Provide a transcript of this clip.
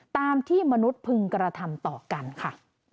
ตามที่มนุษย์พึงกระทำต่อกันค่ะ